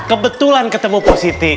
kebetulan ketemu positi